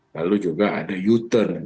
lalu juga ada u turn